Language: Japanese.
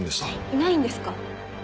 いないんですか？